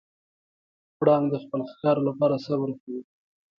پړانګ د خپل ښکار لپاره صبر کوي.